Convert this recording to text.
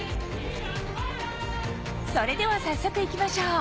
それでは早速いきましょう